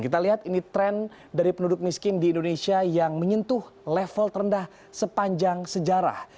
kita lihat ini tren dari penduduk miskin di indonesia yang menyentuh level terendah sepanjang sejarah